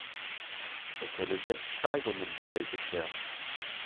So können selbst Steigungen bewältigt werden.